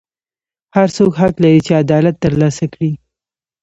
هر څوک حق لري چې عدالت ترلاسه کړي.